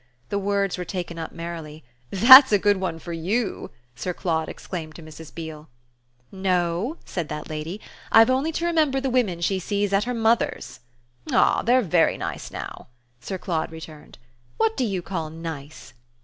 The words were taken up merrily. "That's a good one for YOU!" Sir Claude exclaimed to Mrs. Beale. "No," said that lady: "I've only to remember the women she sees at her mother's." "Ah they're very nice now," Sir Claude returned. "What do you call 'nice'?"